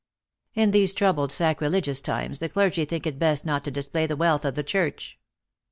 " In these troubled, sacrilegious times, the clergy think it best not to display the wealth of the church."